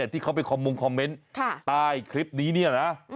ที่เขาไปคำมุมคอมเมนต์ใต้คลิปนี้นะ